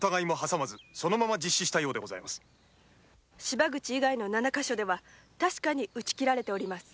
芝口以外の七か所では確かに打ち切られております。